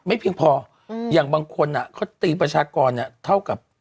เพียงพออืมอย่างบางคนอ่ะเขาตีประชากรเนี่ยเท่ากับ